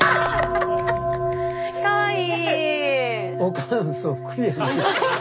・かわいい！